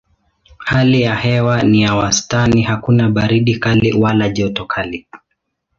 Hali ya hewa ni ya wastani hakuna baridi kali wala joto kali.